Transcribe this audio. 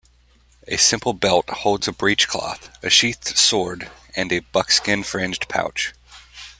A simple belt holds a breech cloth, a sheathed sword, and a buckskin-fringed pouch.